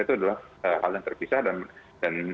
itu adalah hal yang terpisah dan